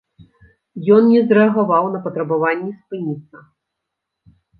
Ён не зрэагаваў на патрабаванні спыніцца.